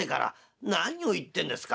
「何を言ってんですか。